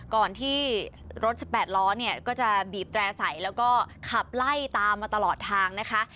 ก่อนที่รถ๑๘ล้อเนี่ยก็จะบีบแตร่ใส่แล้วก็ขับไล่ตามมาตลอดทางนะคะ